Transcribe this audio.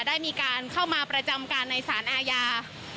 ได้มีการเข้ามาประจำการในสารอาญา